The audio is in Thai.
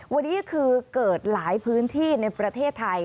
วันนี้คือเกิดหลายพื้นที่ในประเทศไทย